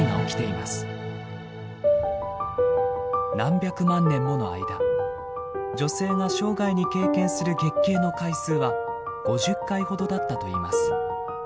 何百万年もの間女性が生涯に経験する月経の回数は５０回ほどだったといいます。